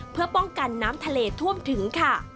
เพื่อป้องกันน้ำทะเลท่วมถึงค่ะ